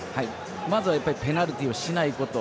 まずはペナルティをしないこと。